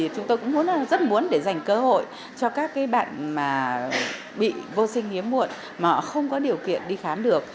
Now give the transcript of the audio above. chúng tôi cũng rất muốn để dành cơ hội cho các bạn bị vô sinh hiếm muộn mà họ không có điều kiện đi khám được